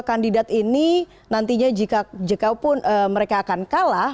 kandidat ini nantinya jika pun mereka akan kalah